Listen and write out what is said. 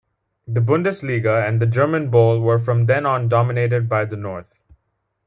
The "Bundesliga" and the German Bowl were from then on dominated by the North.